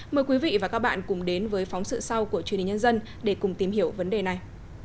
mời quý vị và các bạn cùng đến với phóng sự sau của truyền hình nhân dân để cùng tìm hiểu vấn đề này